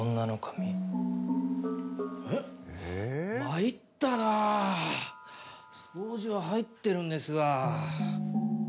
えっまいったな掃除は入ってるんですが